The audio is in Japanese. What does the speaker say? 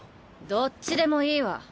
どっちでもいいわ。